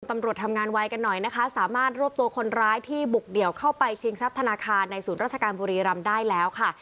ตำรวจทำงานไวกันหน่อยนะคะสามารถรวบตัวคนร้ายที่บุกเดี่ยวเข้าไปชิงทรัพย์ธนาคารในศูนย์ราชการบุรีรำได้แล้วค่ะ